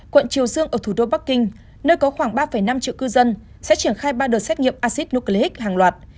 quận triều dương ở thủ đô bắc kinh nơi có khoảng ba năm triệu cư dân sẽ triển khai ba đợt xét nghiệm acid nucleic hàng loạt